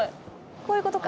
こういうことか。